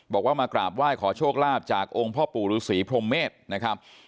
บอกว่ามากราบไหว้ขอโชคลาภจากองค์พ่อปู่ฤษีพรมเมษนะครับ